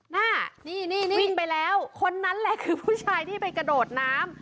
นี่นี่วิ่งไปแล้วคนนั้นแหละคือผู้ชายที่ไปกระโดดน้ำ